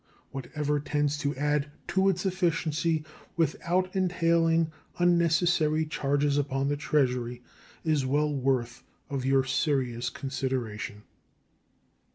Whatever tends to add to its efficiency without entailing unnecessary charges upon the Treasury is well worthy of your serious consideration.